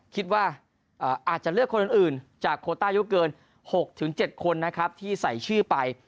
คิดว่าอาจจะเลือกคนอื่นจากโคต้าอายุเกิน๖๗คนนะครับที่ใส่ชื่อไป